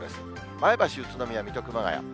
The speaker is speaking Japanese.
前橋、宇都宮、水戸、熊谷。